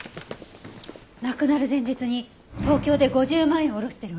亡くなる前日に東京で５０万円下ろしてるわ。